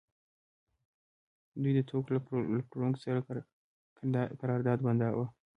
دوی د توکو له پلورونکو سره قرارداد بنداوه